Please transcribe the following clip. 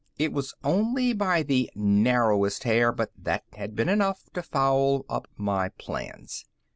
It was only by the narrowest hair, but that had been enough to foul up my plans.